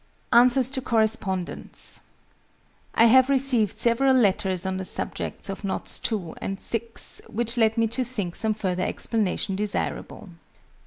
ANSWERS TO CORRESPONDENTS. I have received several letters on the subjects of Knots II. and VI., which lead me to think some further explanation desirable.